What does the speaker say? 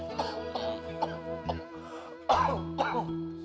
ya ampun olahraga